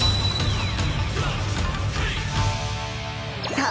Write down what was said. さあ